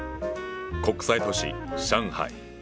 国際都市上海。